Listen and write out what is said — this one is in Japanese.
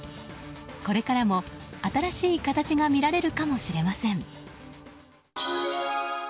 これからも新しい形が見られるかもしれません。